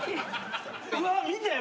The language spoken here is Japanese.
うわ見て！